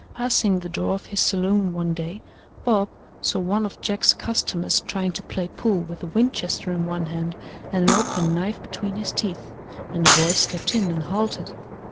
Passing the door of his saloon one day, Bob saw one of Jack's customers trying to play pool with a Winchester in one hand and an open knife between his teeth, and the boy stepped in and halted.